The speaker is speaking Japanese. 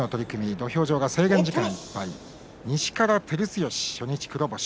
土俵上が制限時間いっぱい西から照強、初日黒星。